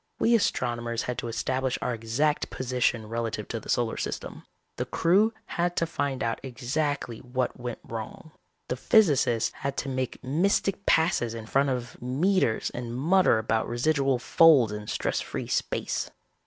We astronomers had to establish our exact position relative to the solar system. The crew had to find out exactly what went wrong. The physicists had to make mystic passes in front of meters and mutter about residual folds in stress free space.